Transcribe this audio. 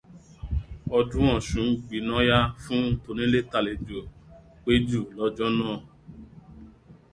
Ọdún Ọ̀ṣun gbìnàyá fún tonílé tàlejò péjú lọ́jọ́ náà.